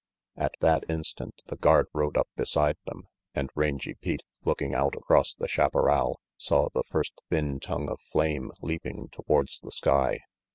At that instant the guard rode up beside them, and Rangy Pete, looking out across the chaparral, saw the first thin tongue of flame leaping towards the sky.